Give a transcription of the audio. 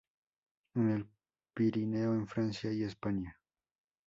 En el Pirineo en Francia y España.